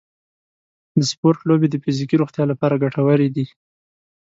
د سپورټ لوبې د فزیکي روغتیا لپاره ګټورې دي.